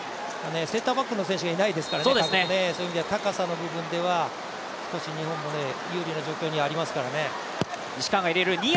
センターバックの選手がいないですからね、高さの部分では少し日本も有利な状況にはありますからね。